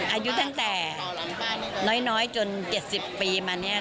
อายุตั้งแต่น้อยจน๗๐ปีมาเนี่ย